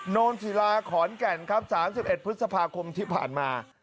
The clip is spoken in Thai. โน้นศิลาขอนแก่นครับสามสิบเอ็ดพฤษภาคมที่ผ่านมา